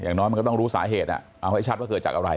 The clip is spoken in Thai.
อย่างน้อยมันก็ต้องรู้สาเหตุเอาให้ชัดว่าเกิดจากอะไร